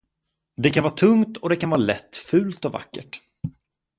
Det kan vara tungt och det kan vara lätt, fult och vackert.